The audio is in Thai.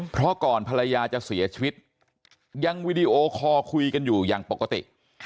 เพราะก่อนภรรยาจะเสียชีวิตยังวีดีโอคอลคุยกันอยู่อย่างปกติ